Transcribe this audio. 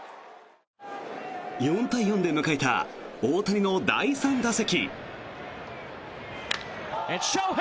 ４対４で迎えた大谷の第３打席。